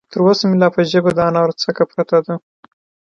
تر اوسه مې لا په ژبه د انارو څکه پرته ده.